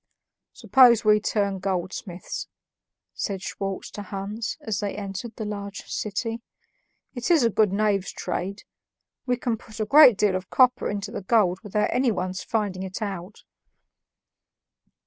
"Suppose we turn goldsmiths," said Schwartz to Hans as they entered the large city. "It is a good knave's trade; we can put a great deal of copper into the gold without anyone's finding it out."